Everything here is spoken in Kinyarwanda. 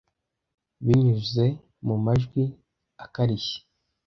Binyuze mu majwi akarishye